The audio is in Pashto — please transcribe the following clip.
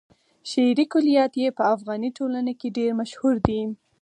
شعري کلیات يې په افغاني ټولنه کې ډېر مشهور دي.